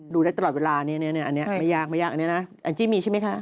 ดูได้ตลอดเวลานี้อันนี้ไม่ยากอันนี้นะอันที่มีใช่ไหมคะ